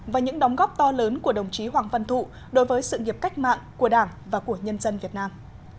và những đóng góp to lớn của đồng chí hoàng văn thụ đối với sự nghiệp cách mạng của đảng và của nhân dân việt nam